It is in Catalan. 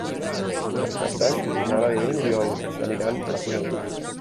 Per Cap d'Any na Nàdia i n'Oriol aniran a Soneja.